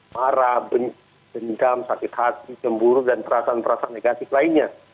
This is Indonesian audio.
marah dendam sakit hati cemburu dan perasaan perasaan negatif lainnya